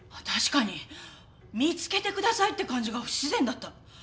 確かに見つけてくださいって感じが不自然だった。